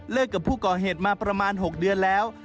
กับผู้ก่อเหตุมาประมาณ๖เดือนแล้ว